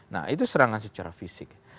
nah itu serangan secara fisik